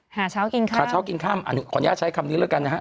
หาเช้ากินค่ำหาเช้ากินค่ำขออนุญาตใช้คำนี้แล้วกันนะฮะ